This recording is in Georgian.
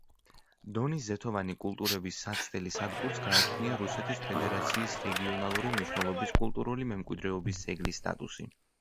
დონის ზეთოვანი კულტურების საცდელი სადგურს გააჩნია რუსეთის ფედერაციის რეგიონალური მნიშვნელობის კულტურული მემკვიდრეობის ძეგლის სტატუსი.